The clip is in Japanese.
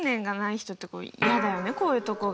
こういうとこが。